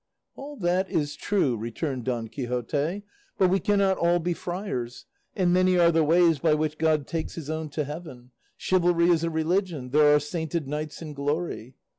"All that is true," returned Don Quixote, "but we cannot all be friars, and many are the ways by which God takes his own to heaven; chivalry is a religion, there are sainted knights in glory."